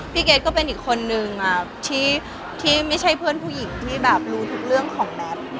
เกรทก็เป็นอีกคนนึงที่ไม่ใช่เพื่อนผู้หญิงที่แบบรู้ทุกเรื่องของแมท